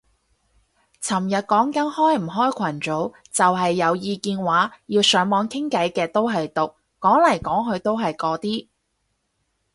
尋日講緊開唔開群組，就係有意見話要上網傾偈嘅都係毒，講嚟講去都係嗰啲